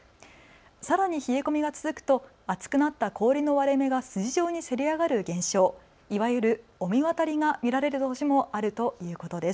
さらに冷え込みが続くと厚くなった氷の割れ目が筋状にせり上がる現象、いわゆる御神渡りが見られる年もあるということです。